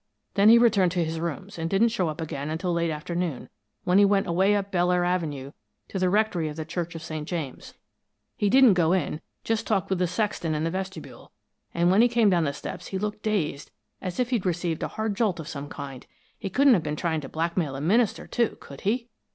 Then he returned to his rooms, and didn't show up again until late afternoon, when he went away up Belleair Avenue, to the rectory of the Church of St. James. He didn't go in just talked with the sexton in the vestibule, and when he came down the steps he looked dazed, as if he'd received a hard jolt of some sort. He couldn't have been trying to blackmail the minister, too, could he?"